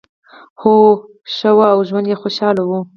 هوا ښه وه او ژوند یې خوشحاله و.